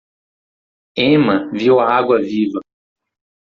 Emma viu a água-viva.